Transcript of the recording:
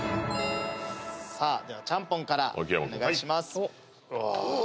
さあではちゃんぽんからお願いしますおぉ！